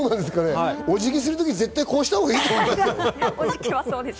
お辞儀するときは絶対こうしたほうがいいと思います。